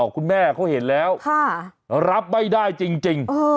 คุณแม่เขาเห็นแล้วรับไม่ได้จริง